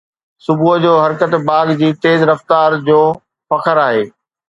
صبح جو حرڪت باغ جي تيز رفتار جو فخر آهي